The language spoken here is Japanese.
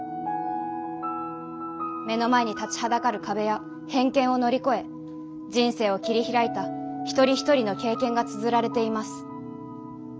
目の前に立ちはだかる壁や偏見を乗り越え人生を切りひらいた一人一人の経験がつづられています。